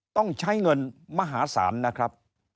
ต้องใช้เงินมหาศาลนะครับ